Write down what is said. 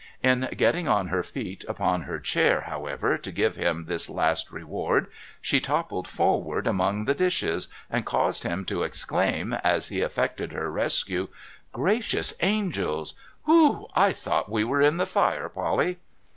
In getting on her feet upon her chair, however, to give him this last reward, she toppled forv*'ard among the dishes, and caused him to exclaim, as he effected her rescue : 'Gracious Angels! Whew! I thought we were in the fire, Polly